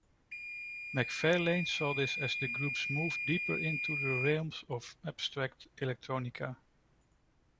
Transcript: McFarlane saw this as the group's move deeper into the realms of abstract electronica.